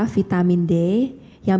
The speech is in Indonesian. vitamin d yang